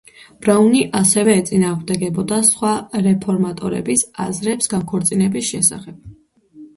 ბრაუნი ასევე ეწინააღმდეგებოდა სხვა რეფორმატორების აზრებს განქორწინების შესახებ.